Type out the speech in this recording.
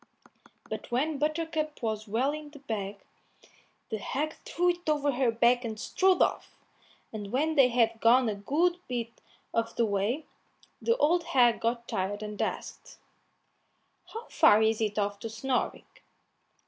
But when Buttercup was well into the bag, the hag threw it over her back and strode off, and when they had gone a good bit of the way, the old hag got tired and asked, "How far is it off to Snoring?"